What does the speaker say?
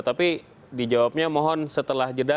tapi dijawabnya mohon setelah jeda